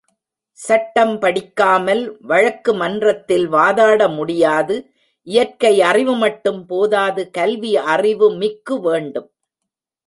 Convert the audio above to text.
சட்டம் படிக்காமல் வழக்கு மன்றத்தில் வாதாட முடியாது இயற்கை அறிவுமட்டும் போதாது கல்வி அறிவு மிக்கு வேண்டும்.